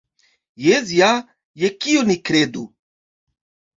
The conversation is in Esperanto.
Jes ja, je kio ni kredu?